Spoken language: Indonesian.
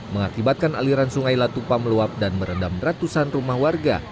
mengakibatkan aliran sungai latupa meluap dan merendam ratusan rumah warga